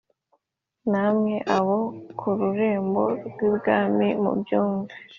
namwe abo ku rurembo rw’ibwami, mubyumve!